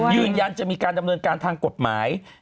ยืนยันจะมีการดำเนินการทางกฎหมาย